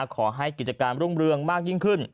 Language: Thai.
ขอให้กิจการรุ่งเรืองมากยิ่งขึ้น